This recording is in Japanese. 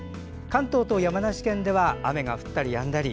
関東と山梨県では、雨が降ったりやんだり。